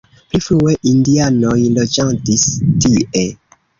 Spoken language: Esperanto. Pli frue indianoj loĝadis tie.